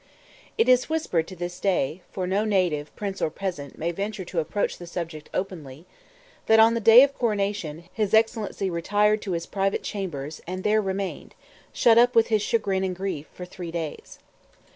It is whispered to this day for no native, prince or peasant, may venture to approach the subject openly that, on the day of coronation, his Excellency retired to his private chambers, and there remained, shut up with his chagrin and grief, for three days.